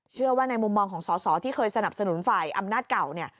เชื่อว่าในมุมมองของสอสอที่เคยสนับสนุนฝ่ายอำนาจเก่าเนี่ย